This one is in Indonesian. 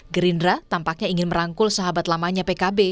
gerindra tampaknya ingin merangkul sahabat lamanya pkb